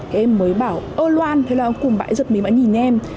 thế em mới bảo ơ loan thế là cùng bà ấy trợt mình bà ấy nhìn em